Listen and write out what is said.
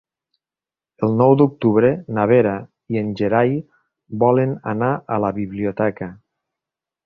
El nou d'octubre na Vera i en Gerai volen anar a la biblioteca.